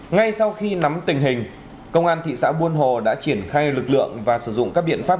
ngay sau khi nắm tình hình công an thị xã buôn hồ đã triển khai lực lượng và sử dụng các biện pháp